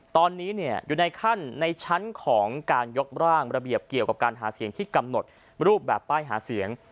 ตอนนี้อยู่ในขั้นในชั้นของการยกร่างระเบียบเกี่ยวกับการหาเสียงที่กำหนดรูปแบบป้ายหาเสียง